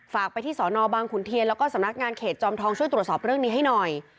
ฝากไปที่สอนอบางขุนเทียนแล้วก็สำนักงานเขตจอมทองช่วยตรวจสอบเรื่องนี้ให้หน่อย